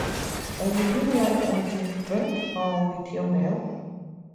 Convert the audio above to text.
And would you like anything to drink with your meal?